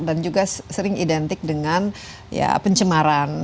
dan juga sering identik dengan ya pencemaran